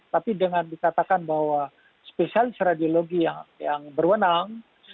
tapi dengan dikatakan bahwa spesialis radiologi yang berwenang